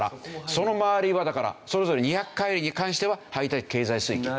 その周りはだからそれぞれ２００海里に関しては排他的経済水域。